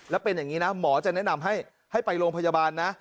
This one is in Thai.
แล้วเป็นอย่างนี้นะหมอจะแนะนำให้ไปโรงพยาบาลนะ